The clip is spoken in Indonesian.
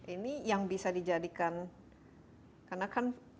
ini yang bisa dijadikan karena kan ada dua vaksinasi yang bisa diberikan